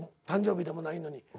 誕生日でもないのに。